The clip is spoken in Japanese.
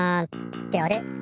ってあれ？